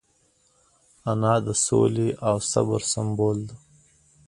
انا د سولې او صبر سمبول ده